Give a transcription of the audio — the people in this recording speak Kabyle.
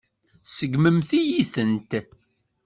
Tseggmem-iyi-tent.